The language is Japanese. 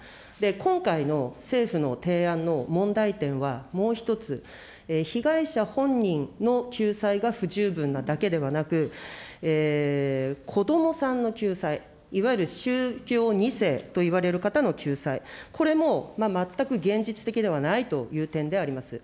今回の政府の提案の問題点はもう１つ、被害者本人の救済が不十分なだけではなく、子どもさんの救済、いわゆる宗教２世といわれる方の救済、これも全く現実的ではないという点であります。